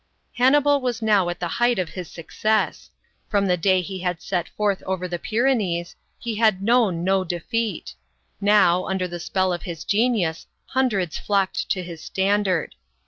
Hannibal was now at the height of his success. From the day he had set forth over the Pyrenees, he had known no defeat ; now, under the spell of his genius, hundreds flocked to his standard.